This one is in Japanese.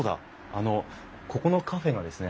あのここのカフェがですね